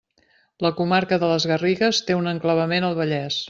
La comarca de les Garrigues té un enclavament al Vallès.